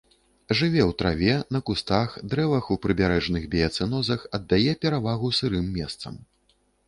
Жыве ў траве, на кустах, дрэвах у прыбярэжных біяцэнозах, аддае перавагу сырым месцам.